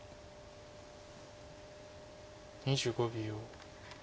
２５秒。